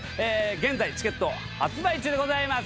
現在チケット発売中でございます